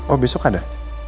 oh besok ada